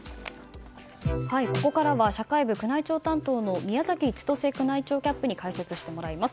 ここからは社会部宮内庁担当の宮崎千歳宮内庁キャップに解説してもらいます。